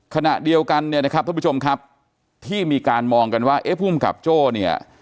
ขณะเดียวกันเนี่ยนะครับท่านผู้ชมครับที่มีการมองกันว่าเอ๊ะภูมิกับโจ้เนี่ย